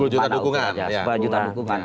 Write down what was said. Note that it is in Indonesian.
sepuluh juta dukungan